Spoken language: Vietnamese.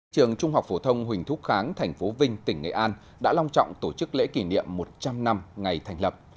trường trung học phổ thông huỳnh thúc kháng thành phố vinh tỉnh nghệ an đã long trọng tổ chức lễ kỷ niệm một trăm linh năm ngày thành lập